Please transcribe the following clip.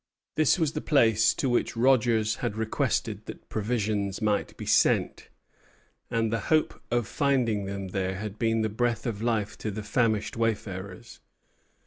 This was the place to which Rogers had requested that provisions might be sent; and the hope of finding them there had been the breath of life to the famished wayfarers.